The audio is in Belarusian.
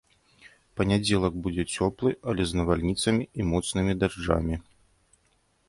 Панядзелак будзе цёплы, але з навальніцамі і моцнымі дажджамі.